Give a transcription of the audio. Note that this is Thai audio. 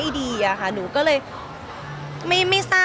พอเรียนอฟฟิตแบบนี้แล้วเราต้องเปลี่ยนไหมค่ะ